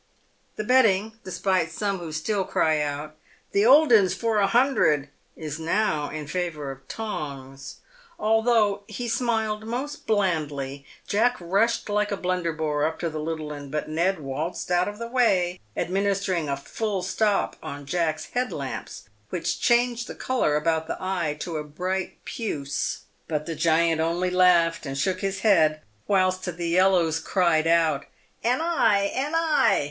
The betting, despite some who still cry out, " The old 'un for a hun dred," is now in favour of Tongs. Although he smiled most blandly, Jack rushed like a Blunderbore up to the little 'un, but Ned waltzed out of the way, administering a "full stop" on Jack's "head lamps," which changed the colour about the eye to a bright puce. But the giant only laughed and shook his head, whilst the yellows cried out, "An eye! an eye!"